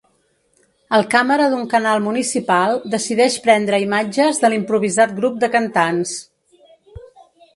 El càmera d'un canal municipal decideix prendre imatges de l'improvisat grup de cantants.